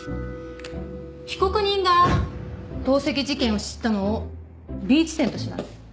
被告人が投石事件を知ったのをＢ地点とします。